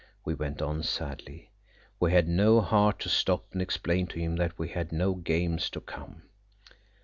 We went on sadly. We had no heart to stop and explain to him that we had no games to come.